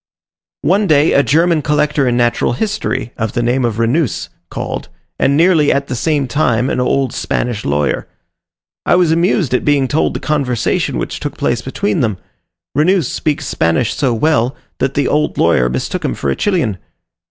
One day, a German collector in natural history, of the name of Renous, called, and nearly at the same time an old Spanish lawyer. I was amused at being told the conversation which took place between them. Renous speaks Spanish so well, that the old lawyer mistook him for a Chilian.